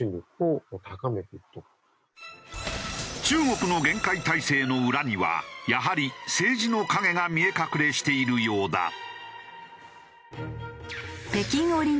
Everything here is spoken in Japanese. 中国の厳戒態勢の裏にはやはり政治の影が見え隠れしているようだ。